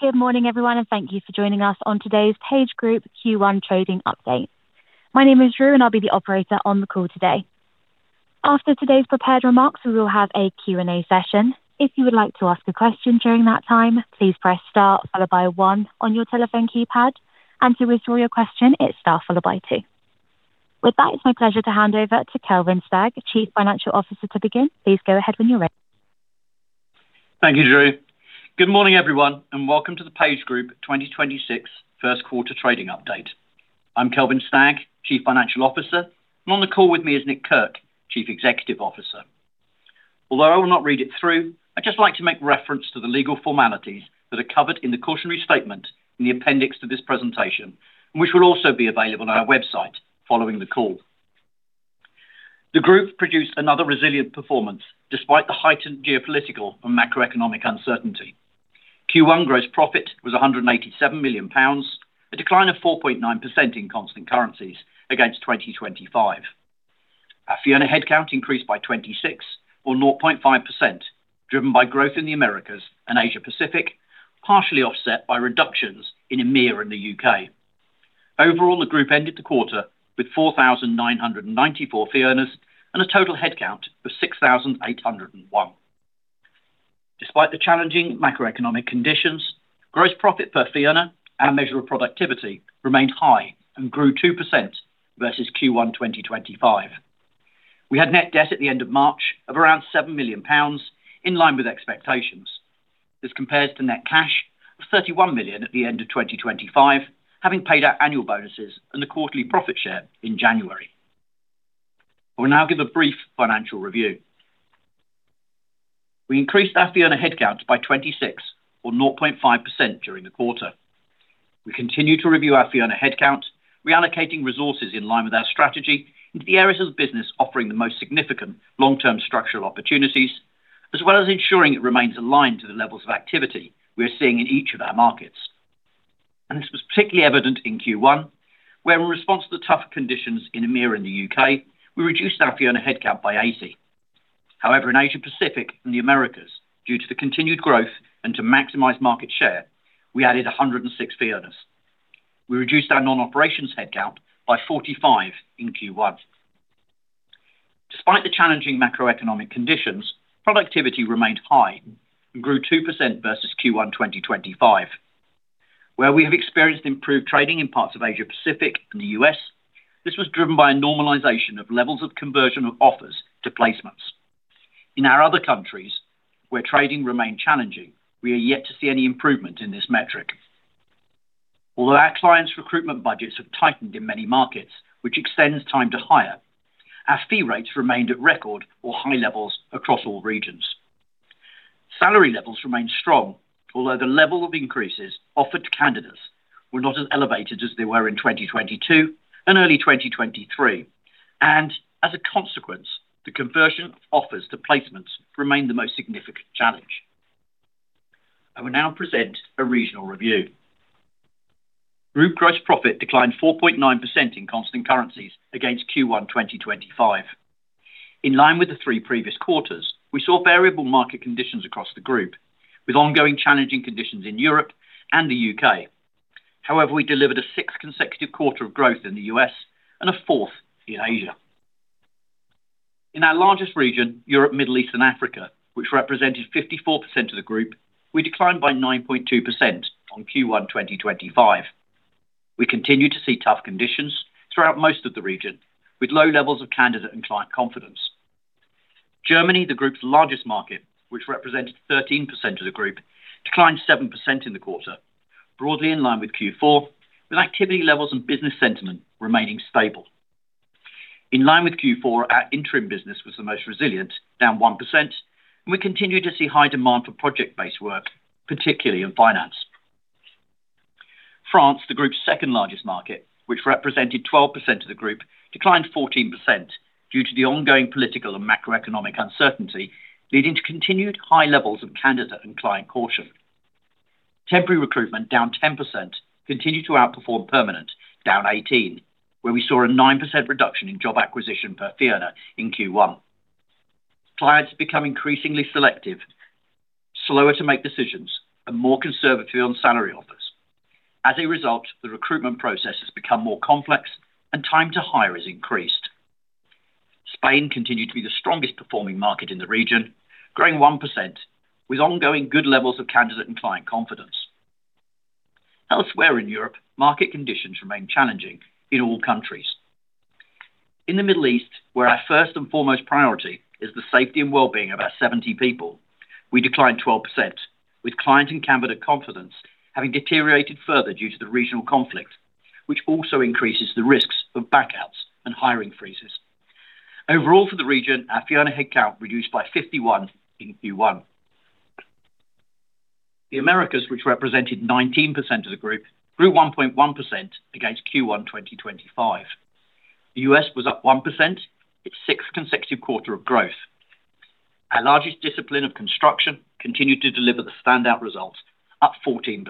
Good morning everyone, and thank you for joining us on today's PageGroup Q1 Trading Update. My name is Drew, and I'll be the operator on the call today. After today's prepared remarks, we will have a Q&A session. If you would like to ask a question during that time, please press star followed by one on your telephone keypad, and to withdraw your question it's star followed by two. With that, it's my pleasure to hand over to Kelvin Stagg, Chief Financial Officer, to begin. Please go ahead when you're ready. Thank you, Drew. Good morning, everyone. Welcome to the PageGroup 2026 first quarter Trading Update. I'm Kelvin Stagg, Chief Financial Officer. On the call with me is Nick Kirk, Chief Executive Officer. Although I will not read it through, I'd just like to make reference to the legal formalities that are covered in the cautionary statement in the appendix to this presentation, and which will also be available on our website following the call. The Group produced another resilient performance despite the heightened geopolitical and macroeconomic uncertainty. Q1 gross profit was 187 million pounds, a decline of 4.9% in constant currencies against 2025. Our fee earner headcount increased by 26 or 0.5%, driven by growth in the Americas and Asia-Pacific, partially offset by reductions in EMEA and the U.K. Overall, the Group ended the quarter with 4,994 fee earners and a total headcount of 6,801. Despite the challenging macroeconomic conditions, gross profit per fee earner, our measure of productivity, remained high and grew 2% versus Q1 2025. We had net debt at the end of March of around 7 million pounds, in line with expectations. This compares to net cash of 31 million at the end of 2025, having paid our annual bonuses and the quarterly profit share in January. I will now give a brief financial review. We increased our fee earner headcount by 26 or 0.5% during the quarter. We continue to review our fee earner headcount, reallocating resources in line with our strategy into the areas of the business offering the most significant long-term structural opportunities, as well as ensuring it remains aligned to the levels of activity we are seeing in each of our markets. This was particularly evident in Q1, where in response to the tougher conditions in EMEA and the U.K., we reduced our fee earner headcount by 80. However, in Asia-Pacific and the Americas, due to the continued growth and to maximize market share, we added 106 fee earners. We reduced our non-operations headcount by 45 in Q1. Despite the challenging macroeconomic conditions, productivity remained high and grew 2% versus Q1 2025. Where we have experienced improved trading in parts of Asia-Pacific and the U.S., this was driven by a normalization of levels of conversion of offers to placements. In our other countries, where trading remained challenging, we are yet to see any improvement in this metric. Although our clients' recruitment budgets have tightened in many markets, which extends time to hire, our fee rates remained at record or high levels across all regions. Salary levels remained strong, although the level of increases offered to candidates were not as elevated as they were in 2022 and early 2023, and as a consequence, the conversion of offers to placements remained the most significant challenge. I will now present a regional review. Group gross profit declined 4.9% in constant currencies against Q1 2025. In line with the three previous quarters, we saw variable market conditions across the Group, with ongoing challenging conditions in Europe and the U.K. However, we delivered a sixth consecutive quarter of growth in the U.S. and a fourth in Asia. In our largest region, Europe, Middle East and Africa, which represented 54% of the Group, we declined by 9.2% on Q1 2025. We continue to see tough conditions throughout most of the region, with low levels of candidate and client confidence. Germany, the Group's largest market, which represented 13% of the Group, declined 7% in the quarter, broadly in line with Q4, with activity levels and business sentiment remaining stable. In line with Q4, our interim business was the most resilient, down 1%, and we continue to see high demand for project-based work, particularly in finance. France, the Group's second-largest market, which represented 12% of the Group, declined 14% due to the ongoing political and macroeconomic uncertainty, leading to continued high levels of candidate and client caution. Temporary recruitment, down 10%, continued to outperform permanent, down 18%, where we saw a 9% reduction in job acquisition per fee earner in Q1. Clients become increasingly selective, slower to make decisions, and more conservative on salary offers. As a result, the recruitment process has become more complex and time to hire has increased. Spain continued to be the strongest performing market in the region, growing 1% with ongoing good levels of candidate and client confidence. Elsewhere in Europe, market conditions remain challenging in all countries. In the Middle East, where our first and foremost priority is the safety and well-being of our 70 people, we declined 12%, with client and candidate confidence having deteriorated further due to the regional conflict, which also increases the risks of back-outs and hiring freezes. Overall for the region, our fee earner headcount reduced by 51 in Q1. The Americas, which represented 19% of the Group, grew 1.1% against Q1 2025. The U.S. was up 1%, its sixth consecutive quarter of growth. Our largest discipline of construction continued to deliver the standout results, up 14%.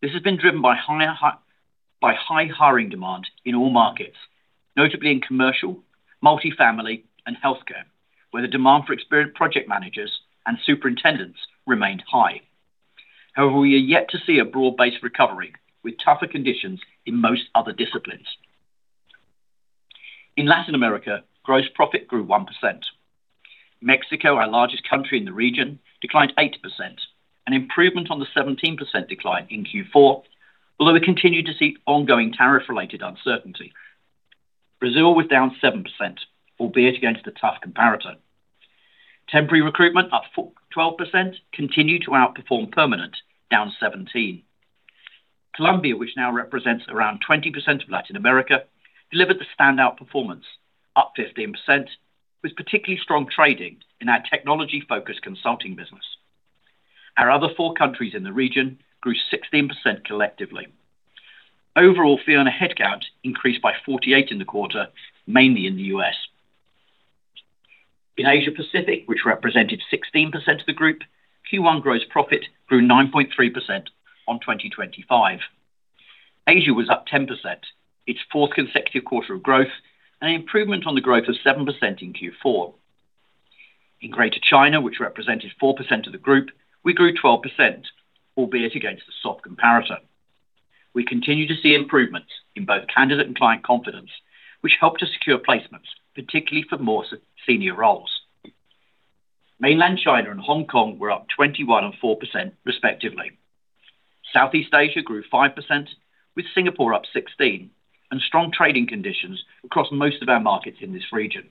This has been driven by high hiring demand in all markets, notably in commercial, multifamily and healthcare, where the demand for experienced project managers and superintendents remained high. However, we are yet to see a broad-based recovery, with tougher conditions in most other disciplines. In Latin America, gross profit grew 1%. Mexico, our largest country in the region, declined 8%, an improvement on the 17% decline in Q4, although we continue to see ongoing tariff-related uncertainty. Brazil was down 7%, albeit against a tough comparator. Temporary recruitment, up 12%, continued to outperform permanent, down 17%. Colombia, which now represents around 20% of Latin America, delivered the standout performance, up 15%, with particularly strong trading in our technology-focused consulting business. Our other four countries in the region grew 16% collectively. Overall, fee earner headcount increased by 48 in the quarter, mainly in the U.S. In Asia-Pacific, which represented 16% of the Group, Q1 gross profit grew 9.3% on 2025. Asia was up 10%, its fourth consecutive quarter of growth, and an improvement on the growth of 7% in Q4. In Greater China, which represented 4% of the Group, we grew 12%, albeit against a soft comparator. We continue to see improvements in both candidate and client confidence, which helped us secure placements, particularly for more senior roles. Mainland China and Hong Kong were up 21% and 4% respectively. Southeast Asia grew 5%, with Singapore up 16%, and strong trading conditions across most of our markets in this region.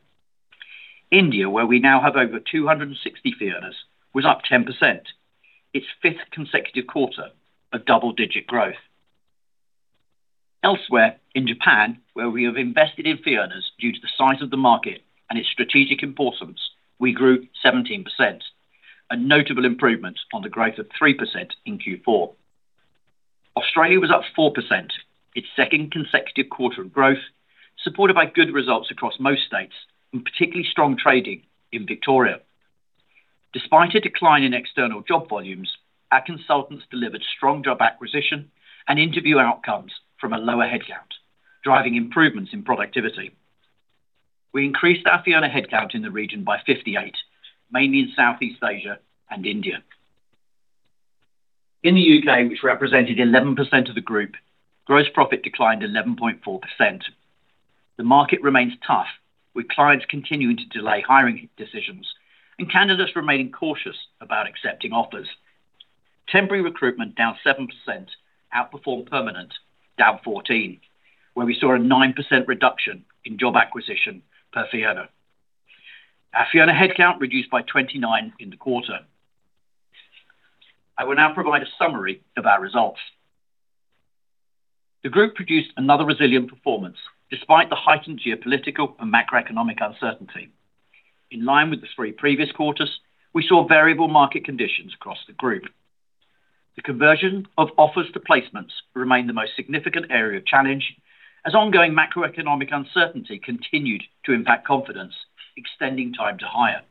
India, where we now have over 260 fee earners, was up 10%, its fifth consecutive quarter of double-digit growth. Elsewhere, in Japan, where we have invested in fee earners due to the size of the market and its strategic importance, we grew 17%, a notable improvement on the growth of 3% in Q4. Australia was up 4%, its second consecutive quarter of growth, supported by good results across most states and particularly strong trading in Victoria. Despite a decline in external job volumes, our consultants delivered strong job acquisition and interview outcomes from a lower headcount, driving improvements in productivity. We increased our fee earner headcount in the region by 58, mainly in Southeast Asia and India. In the U.K., which represented 11% of the Group, gross profit declined 11.4%. The market remains tough, with clients continuing to delay hiring decisions and candidates remaining cautious about accepting offers. Temporary recruitment, down 7%, outperformed permanent, down 14%, where we saw a 9% reduction in job acquisition per fee earner. Our fee earner headcount reduced by 29 in the quarter. I will now provide a summary of our results. The Group produced another resilient performance despite the heightened geopolitical and macroeconomic uncertainty. In line with the three previous quarters, we saw variable market conditions across the Group. The conversion of offers to placements remained the most significant area of challenge, as ongoing macroeconomic uncertainty continued to impact confidence, extending time to hire.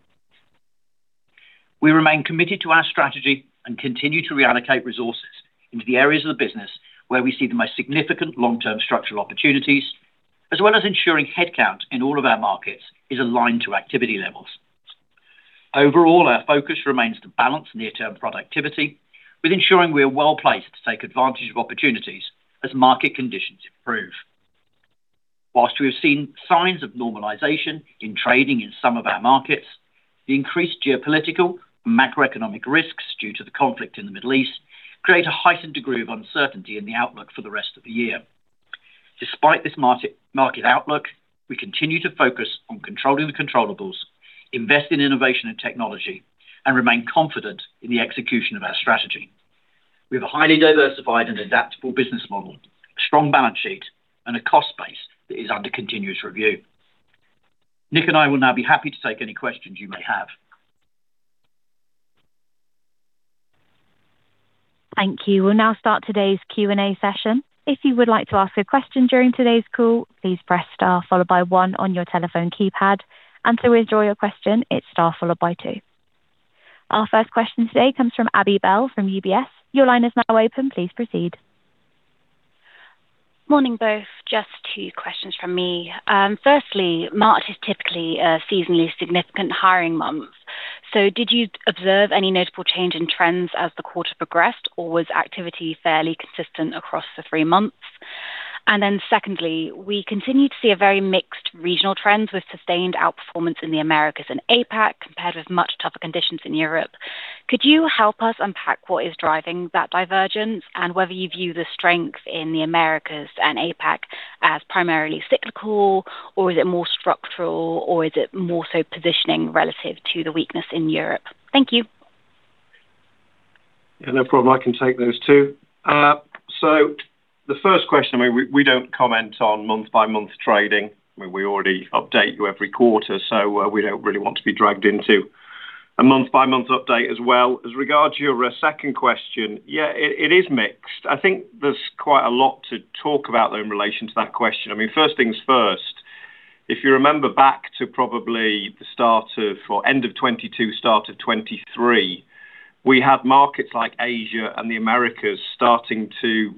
We remain committed to our strategy and continue to reallocate resources into the areas of the business where we see the most significant long-term structural opportunities, as well as ensuring headcount in all of our markets is aligned to activity levels. Overall, our focus remains to balance near-term productivity with ensuring we are well-placed to take advantage of opportunities as market conditions improve. Whilst we have seen signs of normalization in trading in some of our markets, the increased geopolitical and macroeconomic risks due to the conflict in the Middle East create a heightened degree of uncertainty in the outlook for the rest of the year. Despite this market outlook, we continue to focus on controlling the controllables, invest in innovation and technology, and remain confident in the execution of our strategy. We have a highly diversified and adaptable business model, a strong balance sheet, and a cost base that is under continuous review. Nick and I will now be happy to take any questions you may have. Thank you. We'll now start today's Q&A session. If you would like to ask a question during today's call, please press star followed by one on your telephone keypad, and to withdraw your question, it's star followed by two. Our first question today comes from Abi Bell from UBS. Your line is now open. Please proceed. Morning, both. Just two questions from me. Firstly, March is typically a seasonally significant hiring month. Did you observe any notable change in trends as the quarter progressed, or was activity fairly consistent across the three months? Secondly, we continue to see a very mixed regional trend with sustained outperformance in the Americas and APAC, compared with much tougher conditions in Europe. Could you help us unpack what is driving that divergence and whether you view the strength in the Americas and APAC as primarily cyclical, or is it more structural, or is it more so positioning relative to the weakness in Europe? Thank you. Yeah, no problem. I can take those two. The first question, we don't comment on month-by-month trading. We already update you every quarter, so we don't really want to be dragged into a month-by-month update as well. As regards your second question, yeah, it is mixed. I think there's quite a lot to talk about, though, in relation to that question. First things first. If you remember back to probably the end of 2022, start of 2023, we had markets like Asia and the Americas starting to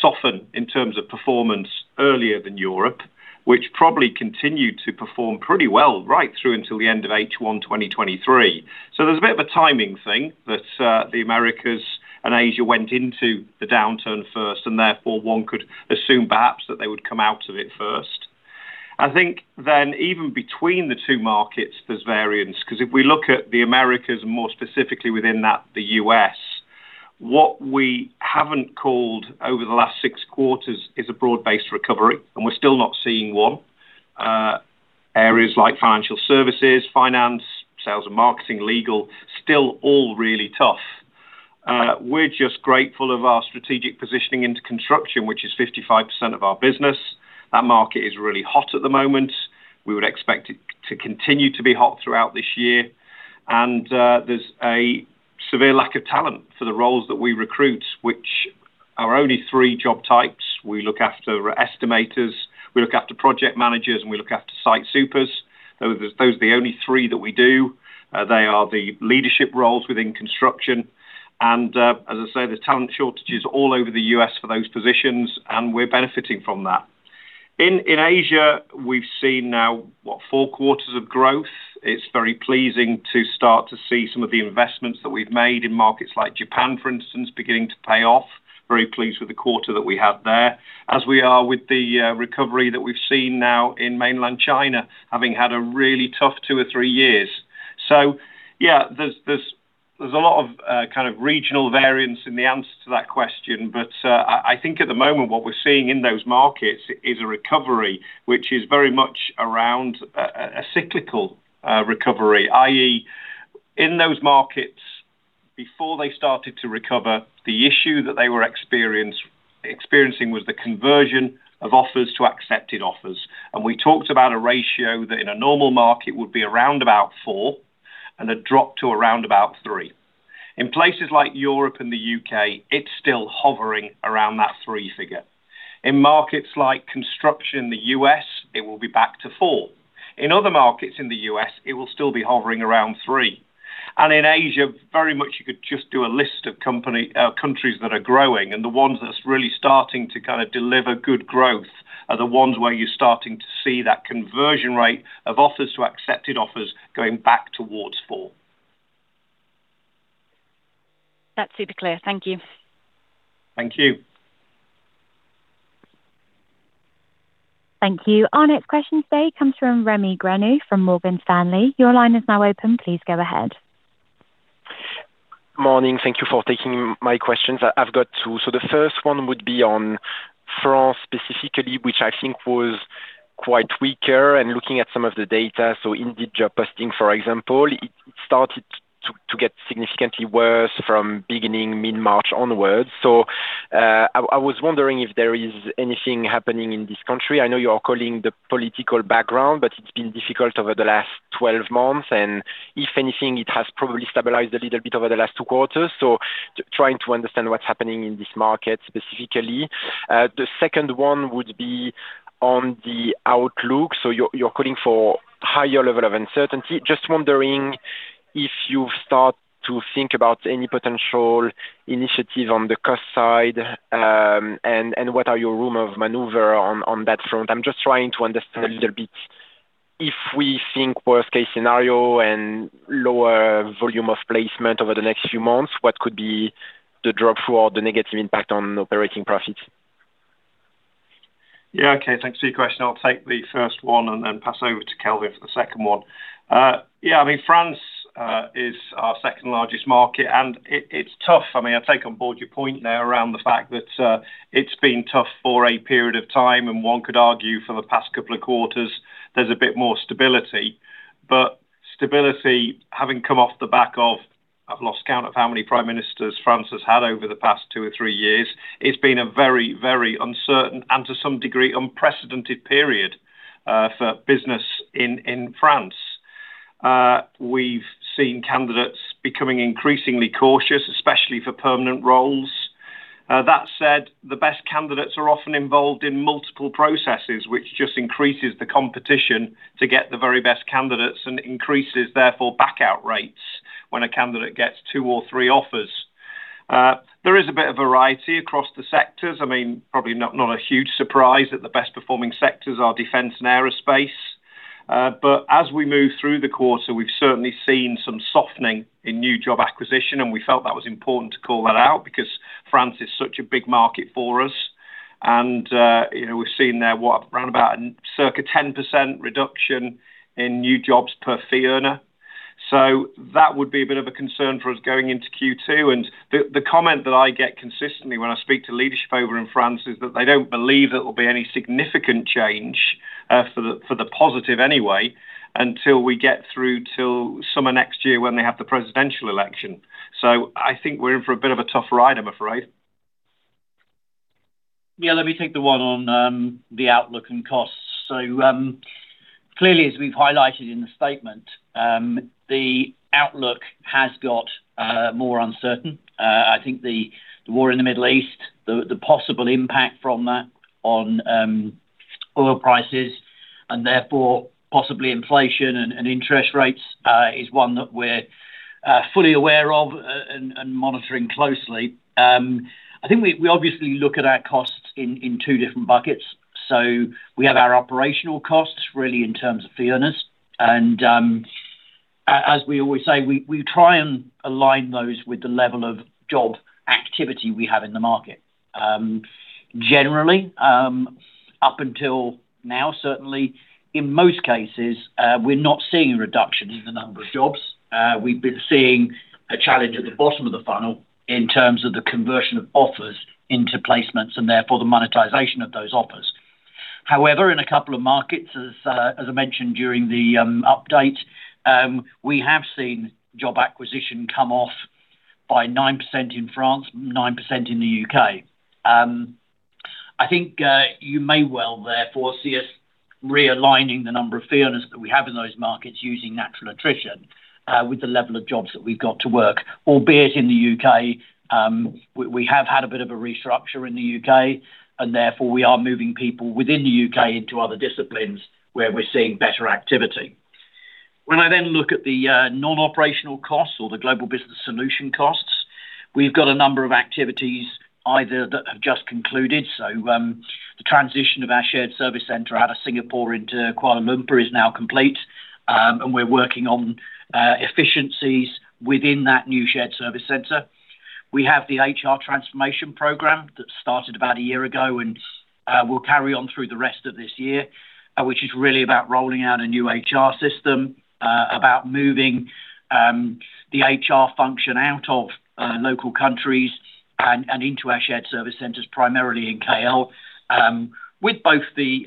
soften in terms of performance earlier than Europe, which probably continued to perform pretty well right through until the end of H1 2023. There's a bit of a timing thing that the Americas and Asia went into the downturn first, and therefore one could assume perhaps that they would come out of it first. I think then even between the two markets, there's variance, because if we look at the Americas and more specifically within that, the U.S., what we haven't called over the last six quarters is a broad-based recovery, and we're still not seeing one. Areas like financial services, finance, sales and marketing, legal, still all really tough. We're just grateful of our strategic positioning into construction, which is 55% of our business. That market is really hot at the moment. We would expect it to continue to be hot throughout this year. There's a severe lack of talent for the roles that we recruit, which are only three job types. We look after estimators, we look after project managers, and we look after site supers. Those are the only three that we do. They are the leadership roles within construction. As I say, there's talent shortages all over the U.S. for those positions, and we're benefiting from that. In Asia, we've seen now, what, four quarters of growth. It's very pleasing to start to see some of the investments that we've made in markets like Japan, for instance, beginning to pay off. Very pleased with the quarter that we had there, as we are with the recovery that we've seen now in Mainland China, having had a really tough two or three years. Yeah, there's a lot of kind of regional variance in the answer to that question. I think at the moment what we're seeing in those markets is a recovery which is very much around a cyclical recovery, i.e., in those markets before they started to recover, the issue that they were experiencing was the conversion of offers to accepted offers. We talked about a ratio that in a normal market would be around about four and a drop to around about three. In places like Europe and the U.K., it's still hovering around that three figure. In markets like construction in the U.S., it will be back to four. In other markets in the U.S., it will still be hovering around three. In Asia, very much you could just do a list of countries that are growing. The ones that's really starting to kind of deliver good growth are the ones where you're starting to see that conversion rate of offers to accepted offers going back towards four. That's super clear. Thank you. Thank you. Thank you. Our next question today comes from Rémi Grenu from Morgan Stanley. Your line is now open. Please go ahead. Morning. Thank you for taking my questions. I've got two. The first one would be on France specifically, which I think was quite weaker and looking at some of the data. Indeed job posting, for example, it started to get significantly worse from beginning mid-March onwards. I was wondering if there is anything happening in this country. I know you are calling the political background, but it's been difficult over the last 12 months, and if anything, it has probably stabilized a little bit over the last two quarters- trying to understand what's happening in this market specifically. The second one would be on the outlook. You're calling for higher level of uncertainty. Just wondering if you've start to think about any potential initiative on the cost side, and what are your room of maneuver on that front? I'm just trying to understand a little bit if we think worst-case scenario and lower volume of placement over the next few months, what could be the drop for the negative impact on operating profits? Yeah. Okay. Thanks for your question. I'll take the first one and then pass over to Kelvin for the second one. Yeah, France is our second largest market, and it's tough. I take on board your point there around the fact that it's been tough for a period of time, and one could argue for the past couple of quarters there's a bit more stability. Stability having come off the back of, I've lost count of how many Prime Ministers France has had over the past two or three years. It's been a very uncertain and to some degree, unprecedented period for business in France. We've seen candidates becoming increasingly cautious, especially for permanent roles. That said, the best candidates are often involved in multiple processes, which just increases the competition to get the very best candidates and increases, therefore, back-out rates when a candidate gets two or three offers. There is a bit of variety across the sectors. Probably not a huge surprise that the best-performing sectors are defense and aerospace. As we move through the quarter, we've certainly seen some softening in new job acquisition, and we felt that was important to call that out because France is such a big market for us. We've seen there, what, roundabout circa 10% reduction in new jobs per fee earner. That would be a bit of a concern for us going into Q2. The comment that I get consistently when I speak to leadership over in France is that they don't believe there will be any significant change, for the positive anyway, until we get through till summer next year when they have the presidential election. I think we're in for a bit of a tough ride, I'm afraid. Yeah, let me take the one on the outlook and costs. Clearly, as we've highlighted in the statement, the outlook has got more uncertain. I think the war in the Middle East, the possible impact from that on oil prices, and therefore possibly inflation and interest rates is one that we're fully aware of and monitoring closely. I think we obviously look at our costs in two different buckets. We have our operational costs really in terms of fee earners. As we always say, we try and align those with the level of job activity we have in the market. Generally, up until now, certainly in most cases, we're not seeing a reduction in the number of jobs. We've been seeing a challenge at the bottom of the funnel in terms of the conversion of offers into placements and therefore the monetization of those offers. However, in a couple of markets, as I mentioned during the update, we have seen job acquisition come off by 9% in France, 9% in the U.K. I think you may well therefore see us realigning the number of fee earners that we have in those markets using natural attrition, with the level of jobs that we've got to work, albeit in the U.K., we have had a bit of a restructure in the U.K., and therefore we are moving people within the U.K. into other disciplines where we're seeing better activity. When I then look at the non-operational costs or the Global Business Services costs, we've got a number of activities either that have just concluded. The transition of our shared service center out of Singapore into Kuala Lumpur is now complete, and we're working on efficiencies within that new shared service center. We have the HR transformation program that started about a year ago and will carry on through the rest of this year, which is really about rolling out a new HR system, about moving the HR function out of local countries and into our shared service centers, primarily in K.L., with both the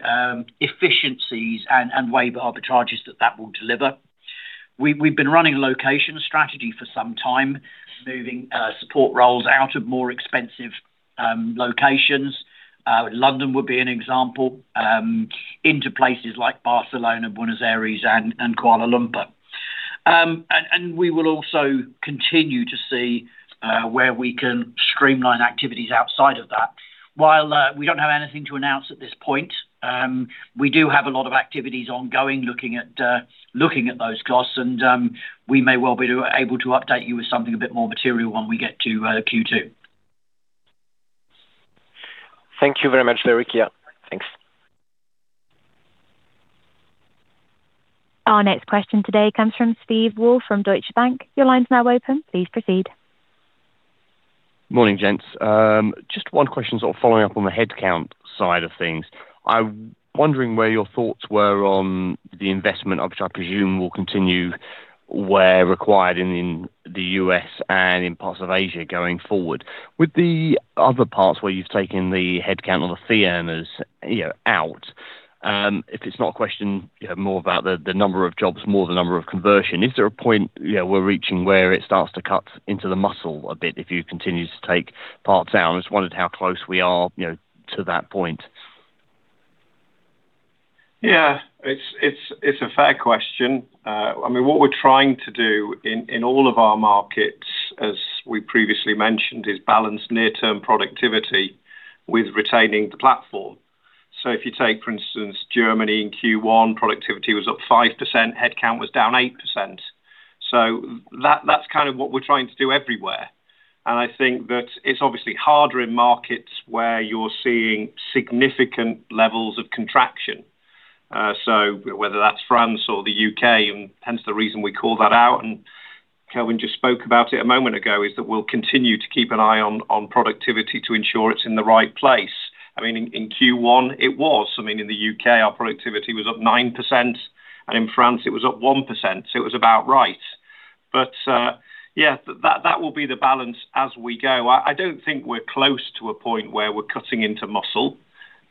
efficiencies and wage arbitrage that will deliver. We've been running a location strategy for some time, moving support roles out of more expensive locations, London would be an example, into places like Barcelona, Buenos Aires, and Kuala Lumpur. We will also continue to see where we can streamline activities outside of that. While we don't have anything to announce at this point, we do have a lot of activities ongoing looking at those costs, and we may well be able to update you with something a bit more material when we get to Q2. Thank you very much, very clear. Thanks. Our next question today comes from Steve Woolf from Deutsche Bank. Your line's now open. Please proceed. Morning, gents. Just one question sort of following up on the headcount side of things. I'm wondering where your thoughts were on the investment, which I presume will continue where required in the U.S. and in parts of Asia going forward. With the other parts where you've taken the headcount or the fee earners out, if it's not a question more about the number of jobs, more the number of conversion, is there a point we're reaching where it starts to cut into the muscle a bit if you continue to take parts out? I just wondered how close we are to that point. Yeah, it's a fair question. What we're trying to do in all of our markets, as we previously mentioned, is balance near-term productivity with retaining the platform. If you take, for instance, Germany in Q1, productivity was up 5%, headcount was down 8%. That's kind of what we're trying to do everywhere. I think that it's obviously harder in markets where you're seeing significant levels of contraction, so whether that's France or the U.K., and hence the reason we call that out, and Kelvin just spoke about it a moment ago, is that we'll continue to keep an eye on productivity to ensure it's in the right place. In Q1 it was- in the U.K., our productivity was up 9%, and in France it was up 1%, so it was about right. Yeah, that will be the balance as we go. I don't think we're close to a point where we're cutting into muscle,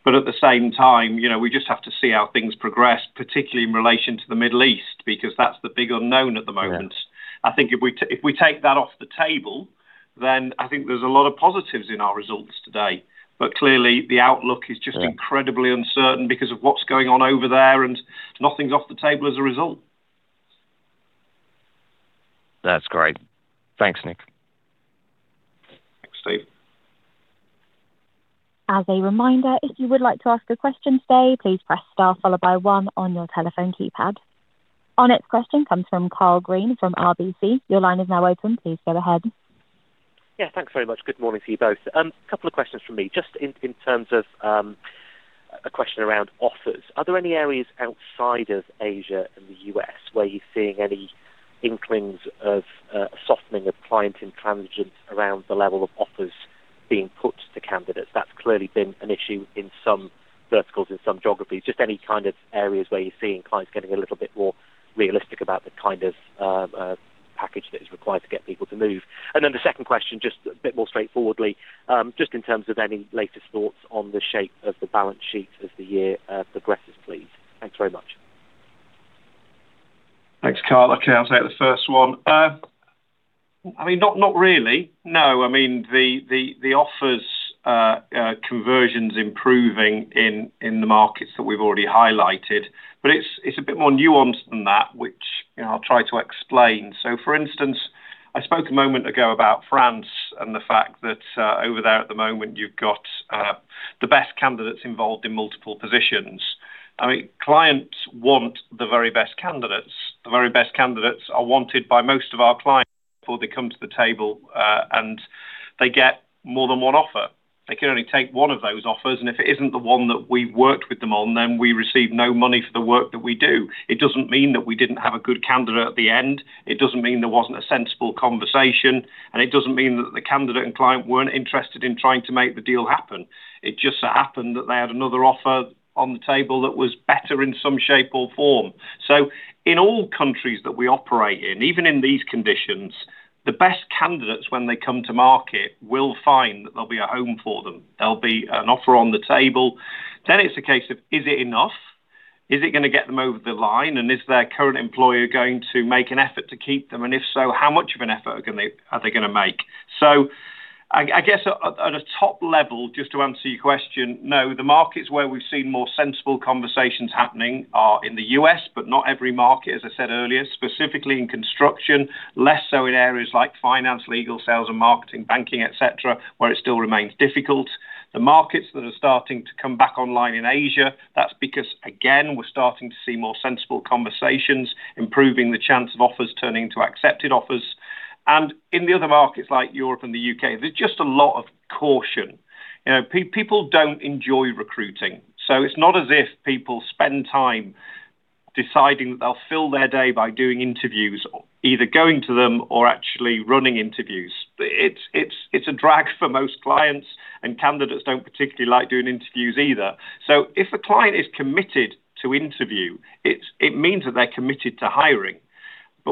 but at the same time, we just have to see how things progress, particularly in relation to the Middle East, because that's the big unknown at the moment. Yeah. I think if we take that off the table, then I think there's a lot of positives in our results today. But clearly, the outlook is incredibly uncertain because of what's going on over there, and nothing's off the table as a result. That's great. Thanks, Nick. Steve. As a reminder, if you would like to ask a question today, please press star followed by one on your telephone keypad. Our next question comes from Karl Green from RBC. Your line is now open. Please go ahead. Yeah. Thanks very much. Good morning to you both. A couple of questions from me. Just in terms of a question around offers. Are there any areas outside of Asia and the US where you're seeing any inklings of a softening of client intransigence around the level of offers being put to candidates? That's clearly been an issue in some verticals, in some geographies. Just any kind of areas where you're seeing clients getting a little bit more realistic about the kind of package that is required to get people to move. And then the second question, just a bit more straightforwardly, just in terms of any latest thoughts on the shape of the balance sheet as the year progresses, please. Thanks very much. Thanks, Karl. Okay, I'll take the first one. Not really, no- the offers conversions improving in the markets that we've already highlighted, but it's a bit more nuanced than that, which I'll try to explain. For instance, I spoke a moment ago about France and the fact that over there at the moment you've got the best candidates involved in multiple positions. Clients want the very best candidates. The very best candidates are wanted by most of our clients before they come to the table, and they get more than one offer. They can only take one of those offers, and if it isn't the one that we've worked with them on, then we receive no money for the work that we do. It doesn't mean that we didn't have a good candidate at the end. It doesn't mean there wasn't a sensible conversation, and it doesn't mean that the candidate and client weren't interested in trying to make the deal happen. It just so happened that they had another offer on the table that was better in some shape or form. In all countries that we operate in, even in these conditions, the best candidates when they come to market will find that there'll be a home for them. There'll be an offer on the table. It's a case of is it enough? Is it going to get them over the line, and is their current employer going to make an effort to keep them? If so, how much of an effort are they going to make? I guess at a top level, just to answer your question, no. The markets where we've seen more sensible conversations happening are in the U.S., but not every market, as I said earlier, specifically in construction, less so in areas like finance, legal, sales and marketing, banking, et cetera, where it still remains difficult. The markets that are starting to come back online in Asia, that's because, again, we're starting to see more sensible conversations, improving the chance of offers turning into accepted offers. In the other markets like Europe and the U.K., there's just a lot of caution. People don't enjoy recruiting, so it's not as if people spend time deciding that they'll fill their day by doing interviews, either going to them or actually running interviews. It's a drag for most clients, and candidates don't particularly like doing interviews either. If a client is committed to interview, it means that they're committed to hiring.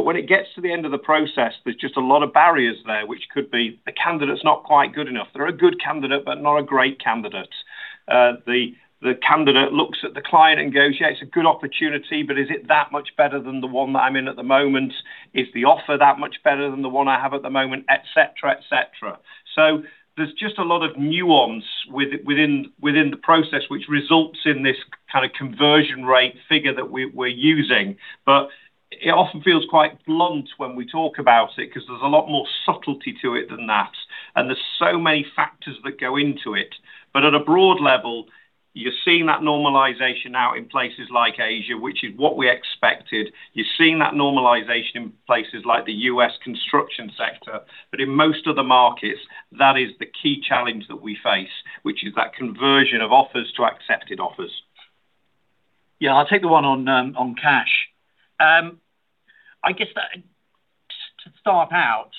When it gets to the end of the process, there's just a lot of barriers there, which could be the candidate's not quite good enough. They're a good candidate, but not a great candidate. The candidate looks at the client and goes, "Yeah, it's a good opportunity, but is it that much better than the one that I'm in at the moment? Is the offer that much better than the one I have at the moment?" Et cetera. There's just a lot of nuance within the process which results in this kind of conversion rate figure that we're using. It often feels quite blunt when we talk about it, because there's a lot more subtlety to it than that, and there's so many factors that go into it. At a broad level, you're seeing that normalization now in places like Asia, which is what we expected. You're seeing that normalization in places like the U.S. construction sector. In most of the markets, that is the key challenge that we face, which is that conversion of offers to accepted offers. Yeah, I'll take the one on cash. I guess to start out,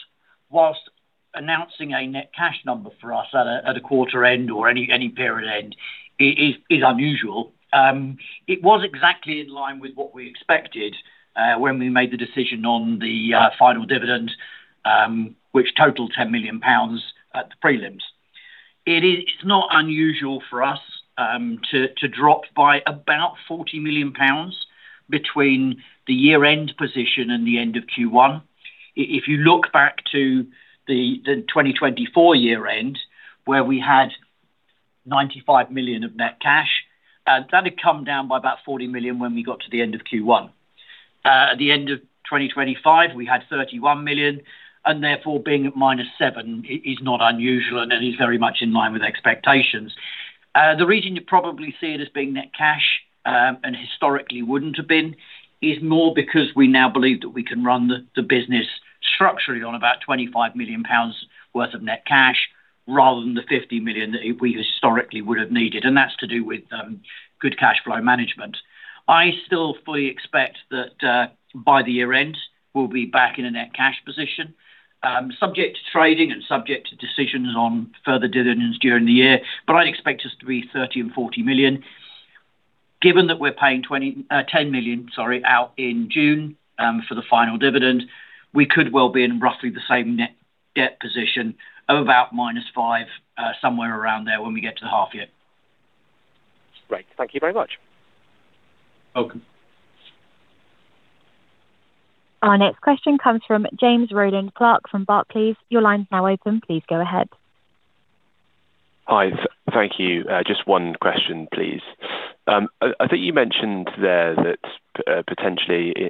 whilst announcing a net cash number for us at a quarter end or any period end is unusual, it was exactly in line with what we expected when we made the decision on the final dividend, which totaled 10 million pounds at the prelims. It's not unusual for us to drop by about 40 million pounds between the year-end position and the end of Q1. If you look back to the 2024 year-end, where we had 95 million of net cash, that had come down by about 40 million when we got to the end of Q1. At the end of 2025, we had 31 million, and therefore being at -7% is not unusual, and it is very much in line with expectations. The reason you probably see it as being net cash, and historically wouldn't have been, is more because we now believe that we can run the business structurally on about 25 million pounds worth of net cash rather than the 50 million that we historically would have needed, and that's to do with good cash flow management. I still fully expect that by the year-end, we'll be back in a net cash position, subject to trading and subject to decisions on further dividends during the year. I'd expect us to be 30 million-40 million. Given that we're paying 10 million out in June for the final dividend, we could well be in roughly the same net debt position of about -5%, somewhere around there when we get to the half year. Great. Thank you very much. Welcome. Our next question comes from James Rowland Clark from Barclays. Your line's now open. Please go ahead. Hi. Thank you. Just one question, please. I think you mentioned there that,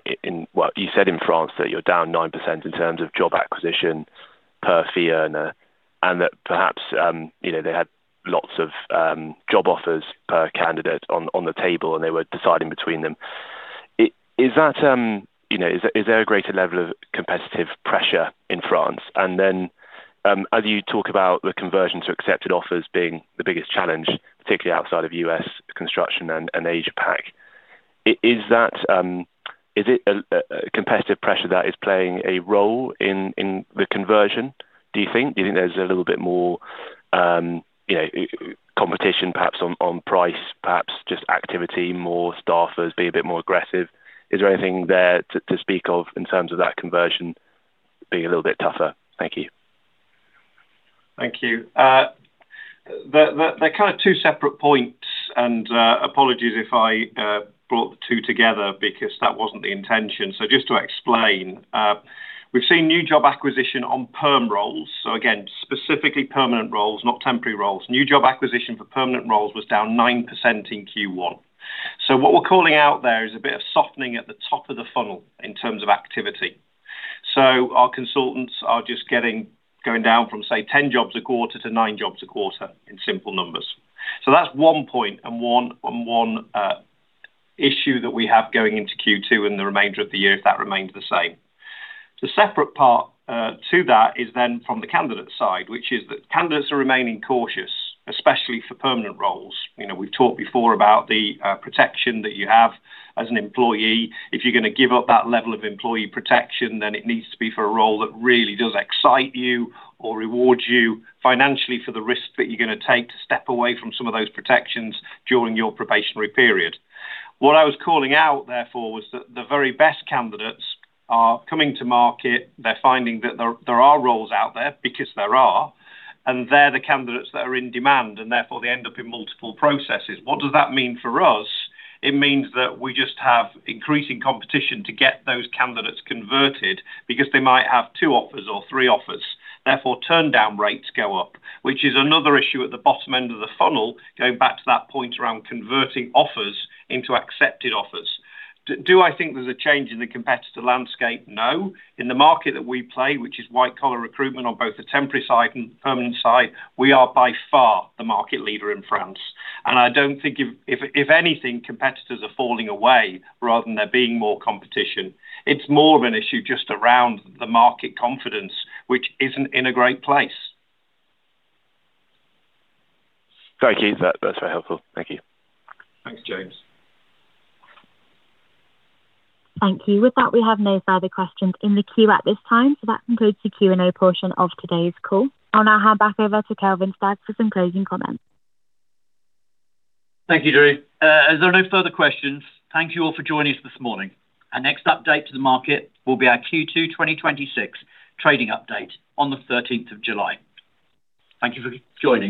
well, you said in France that you're down 9% in terms of job acquisition per fee earner, and that perhaps they had lots of job offers per candidate on the table, and they were deciding between them. Is there a greater level of competitive pressure in France? As you talk about the conversion to accepted offers being the biggest challenge, particularly outside of U.S. construction and Asia-Pac, is it competitive pressure that is playing a role in the conversion, do you think? Do you think there's a little bit more competition perhaps on price, perhaps just activity, more staff that's being a bit more aggressive? Is there anything there to speak of in terms of that conversion being a little bit tougher? Thank you. Thank you. They're kind of two separate points, and apologies if I brought the two together because that wasn't the intention. Just to explain, we've seen new job acquisition on perm roles. Again, specifically permanent roles, not temporary roles. New job acquisition for permanent roles was down 9% in Q1. What we're calling out there is a bit of softening at the top of the funnel in terms of activity. Our consultants are just going down from, say, 10 jobs a quarter to nine jobs a quarter in simple numbers. That's one point and one issue that we have going into Q2 and the remainder of the year, if that remains the same. The separate part to that is then from the candidate side, which is that candidates are remaining cautious, especially for permanent roles. We've talked before about the protection that you have as an employee. If you're going to give up that level of employee protection, then it needs to be for a role that really does excite you or rewards you financially for the risk that you're going to take to step away from some of those protections during your probationary period. What I was calling out, therefore, was that the very best candidates are coming to market. They're finding that there are roles out there because there are, and they're the candidates that are in demand, and therefore, they end up in multiple processes. What does that mean for us? It means that we just have increasing competition to get those candidates converted because they might have two offers or three offers. Therefore, turn-down rates go up, which is another issue at the bottom end of the funnel, going back to that point around converting offers into accepted offers. Do I think there's a change in the competitor landscape? No. In the market that we play, which is white-collar recruitment on both the temporary side and permanent side, we are by far the market leader in France. I don't think, if anything, competitors are falling away rather than there being more competition. It's more of an issue just around the market confidence, which isn't in a great place. Thank you. That's very helpful. Thank you. Thanks, James. Thank you. With that, we have no further questions in the queue at this time. That concludes the Q&A portion of today's call. I'll now hand back over to Kelvin Stagg for some closing comments. Thank you, Drew. As there are no further questions, thank you all for joining us this morning. Our next update to the market will be our Q2 2026 Trading Update on the 13th of July. Thank you for joining.